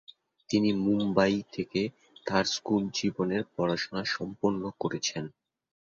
তিনি মুম্বই থেকে তাঁর স্কুল জীবনের পড়াশোনা সম্পন্ন করেছেন।